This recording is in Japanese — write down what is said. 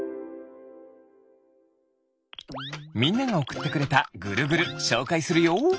みんながおくってくれたぐるぐるしょうかいするよ。